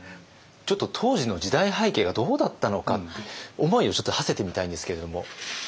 ちょっと当時の時代背景がどうだったのかって思いをちょっとはせてみたいんですけれども。